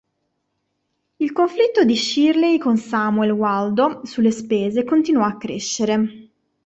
Il conflitto di Shirley con Samuel Waldo sulle spese continuò a crescere.